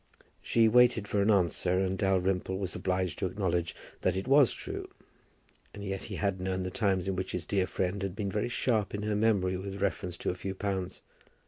She waited for an answer and Dalrymple was obliged to acknowledge that it was true. And yet he had known the times in which his dear friend had been very sharp in her memory with reference to a few pounds.